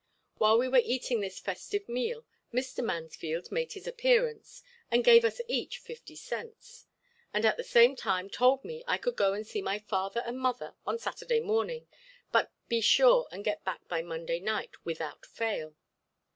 While we were eating this festive meal Mr. Mansfield made his appearance and gave us each fifty cents, and at the same time told me I could go and see my father and mother on Saturday morning, but be sure and get back by Monday night without fail.